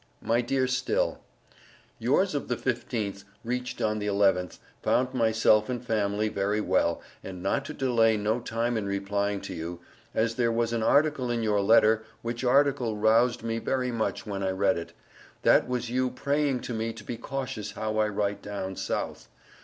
My Dear Still: Yours of the 15th Reached on the 11th, found myself and family very well, and not to delay no time in replying to you, as there was an article in your letter which article Roused me very much when I read it; that was you praying to me to be cautious how I write down South.